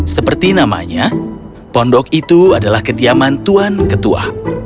seperti namanya pondok itu adalah ketiaman tuan ketua